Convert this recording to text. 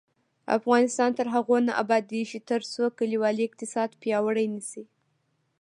افغانستان تر هغو نه ابادیږي، ترڅو کلیوالي اقتصاد پیاوړی نشي.